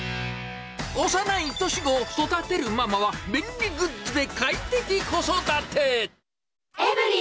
幼い年子を育てるママは、便利グッズで快適子育て。